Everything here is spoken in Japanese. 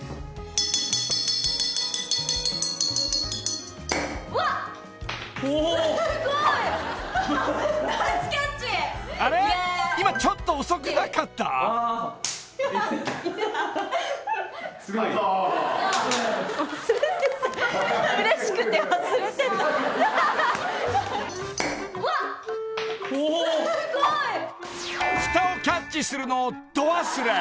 ［ふたをキャッチするのを］